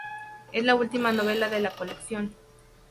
Es la última novela de la colección.